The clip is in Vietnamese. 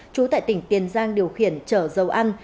trú tại tỉnh tiền giang điều khiển chở dầu ăn